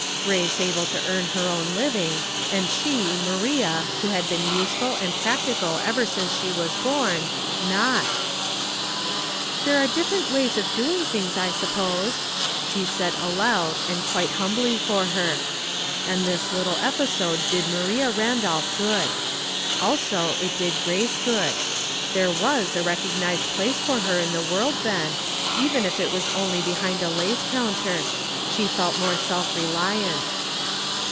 Grace able to earn her own living, and she, Maria, who had been useful and practical ever since she was born, not I ''There are different ways of doing things I suppose," she said aloud, and quite humbly for her. And this little episode did Maria Ran dolph good. Also, it did Grace good. There was a recognized place for her in the world, then, even if it was only behind a lace counter. She felt more self reliant.